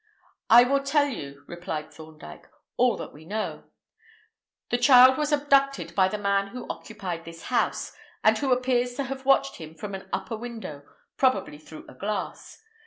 "I will tell you." replied Thorndyke, "all that we know. The child was abducted by the man who occupied this house, and who appears to have watched him from an upper window, probably through a glass.